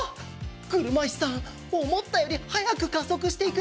車いすさん思ったより速く加速していく。